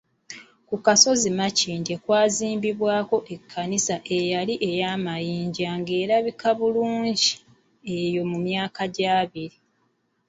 Ku kasozi Makindye kwazimbwako ekkanisa eyali ey’amayinja nga erabika bulungi eyo mu myaka gy'abiri.